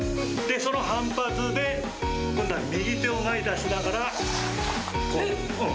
その反発で今度は右手を前に出しながら、こう。